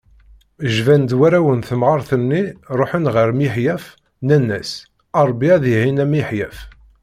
Jban-d warraw n temɣart-nni, ruḥen-d ɣer Miḥyaf, nnan-as: Rebbi ad iɛin a Miḥyaf.